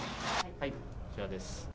こちらです。